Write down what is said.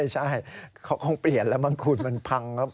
ใช่เขาคงเปลี่ยนแล้วมั้งคูณมันพังครับ